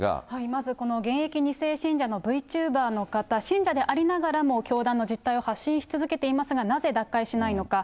まずこの現役２世信者のＶチューバーの方、信者でありながらも、教団の実態を発信し続けていますが、なぜ脱会しないのか。